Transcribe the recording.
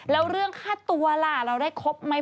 แล้วเรื่องค่าตัวล่ะเราได้ครบไหม